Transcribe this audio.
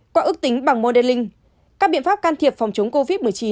qua ước tính bằng moderlink các biện pháp can thiệp phòng chống covid một mươi chín